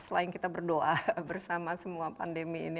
selain kita berdoa bersama semua pandemi ini